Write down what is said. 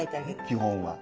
基本は。